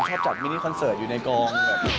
ชอบจัดมินิคอนเซิร์ตอยู่ในกอง